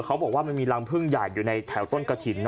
เขาบอกว่ามันมีรังพึ่งใหญ่อยู่ในแถวต้นกระถิ่น